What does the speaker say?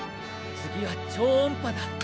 次は超音波だ。